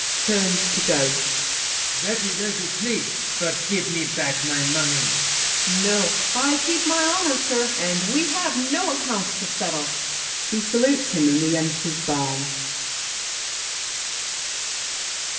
[Turns to go. LAFFEMAS. That's as you please; but give me back My money! GRACIEUX. No, I keep my honor, sir, And we have no accounts to settle. [He salutes him and re enters barn.